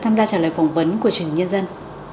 tham gia trả lời phỏng vấn của chủ nhật nhân dân